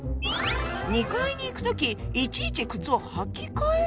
２階に行く時いちいち靴を履き替える？